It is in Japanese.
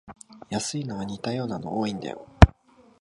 安いのは似たようなの多いんだよ